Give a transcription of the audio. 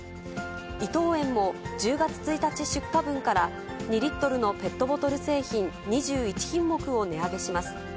伊藤園も１０月１日出荷分から２リットルのペットボトル製品２１品目を値上げします。